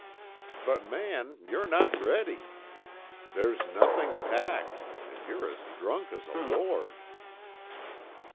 "But, man, you're not ready. There's nothing packed. And you're as drunk as a lord!"